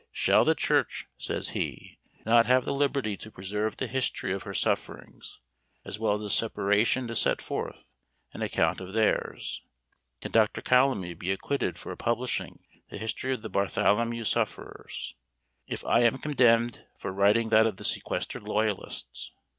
"Shall the church," says he, "not have the liberty to preserve the history of her sufferings, as well as the separation to set forth an account of theirs? Can Dr. Calamy be acquitted for publishing the history of the Bartholomew sufferers, if I am condemned for writing that of the sequestered loyalists?"